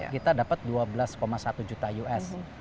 kita dapat dua belas satu juta us